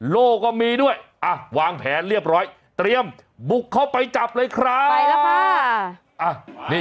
โลก็มีด้วยวางแผนเรียบร้อยเตรียมบุกเขาไปจับเลยครับ